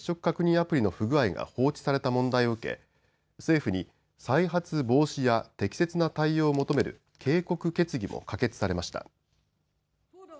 アプリの不具合が放置された問題を受け政府に再発防止や適切な対応を求める警告決議も可決されました。